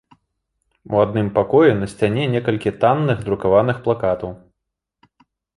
У адным пакоі на сцяне некалькі танных друкаваных плакатаў.